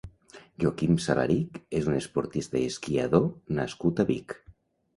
Joaquim Salarich és un esportista i esquiador nascut a Vic.